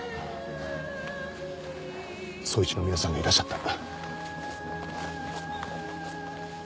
捜一の皆さんがいらっしゃった。